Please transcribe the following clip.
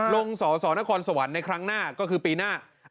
ลงสอสอนครสวรรค์ในครั้งหน้าก็คือปีหน้า